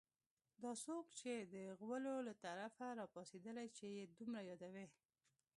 دا څوک نن د غولو له طرفه راپاڅېدلي چې یې دومره یادوي